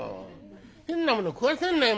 「変なもの食わせんなよ